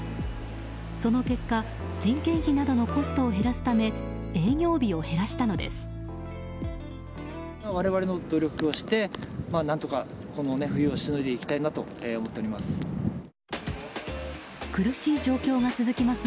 その結果、人件費などのコストを減らすため営業日を減らしたのです。